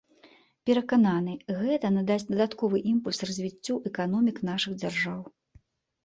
Перакананы, гэта надасць дадатковы імпульс развіццю эканомік нашых дзяржаў.